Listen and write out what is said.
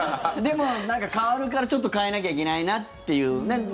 でも、なんか変わるからちょっと変えなきゃいけないなっていうね。